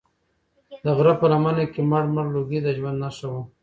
د غره په لمنه کې مړ مړ لوګی د ژوند نښه وه.